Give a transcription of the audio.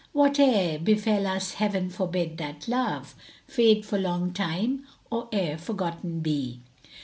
Whate'er befel us Heaven forbid that love * Fade for long time or e'er forgotten be!